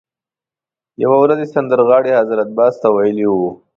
یوه ورځ یې سندرغاړي حضرت باز ته ویلي وو.